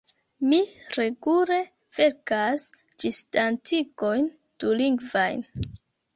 Mi regule verkas ĝisdatigojn dulingvajn.